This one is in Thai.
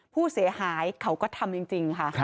ผู้เสียหายเขาก็ทำจริงค่ะ